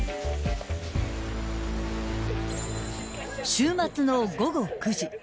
［週末の午後９時］